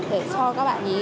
để cho các bạn nhí